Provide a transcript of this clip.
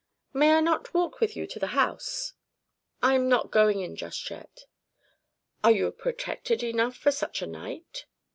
"May I not walk with you to the house?" "I am not going in just yet." "Are you protected enough for such a night?"